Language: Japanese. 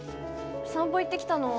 散歩行ってきたの？